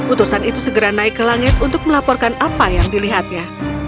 utusan itu segera naik ke langit untuk melaporkan apa yang dilihatnya